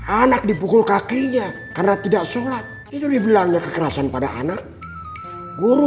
anak dipukul kakinya karena tidak sholat itu dibilangnya kekerasan pada anak guru